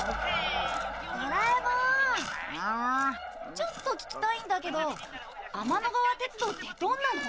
ちょっと聞きたいんだけど天の川鉄道ってどんなの？